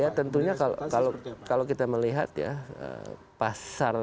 ya tentunya kalau kita melihat ya pasar